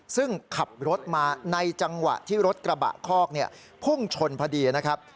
ซึ่งขับรถมาในจังหวะที่รถกระบะคอกพุ่งชนพอดีนะครับ